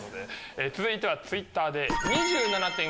続いてはＴｗｉｔｔｅｒで。